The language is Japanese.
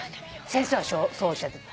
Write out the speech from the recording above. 先生はそうおっしゃってた。